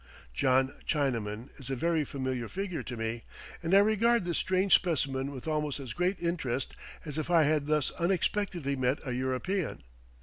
John Chinaman is a very familiar figure to me, and I regard this strange specimen with almost as great interest as if I had thus unexpectedly met a European.